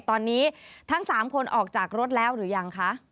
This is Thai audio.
ตอนนี้ทั้ง๓คนออกจากรถแล้วหรือยังคะ